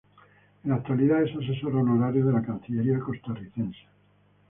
En la actualidad es asesor honorario de la Cancillería costarricense.